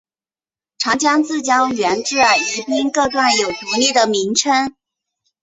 长江自江源至宜宾各段有独立的名称。